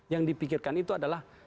yang dipikirkan itu adalah